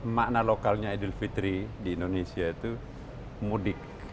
makna lokalnya idul fitri di indonesia itu mudik